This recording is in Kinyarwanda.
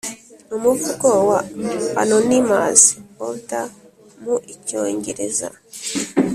umuvugo wa anonymous olde mu icyongereza